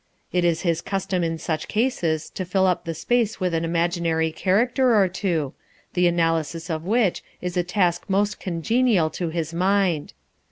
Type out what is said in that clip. It is his custom in such cases to fill up the space with an imaginary character or two, the analysis of which is a task most congenial to his mind.